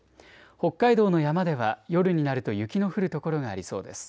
北海道の山では夜になると雪の降る所がありそうです。